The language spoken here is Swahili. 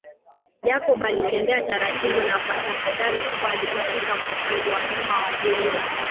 Jacob alitembea taratibu na kwa tahadhari kubwa alipofika kwa upande wa nyuma wa jengo